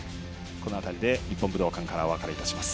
この辺りで日本武道館からお別れいたします。